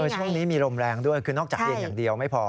ช่วงนี้มีลมแรงด้วยคือนอกจากเย็นอย่างเดียวไม่พอ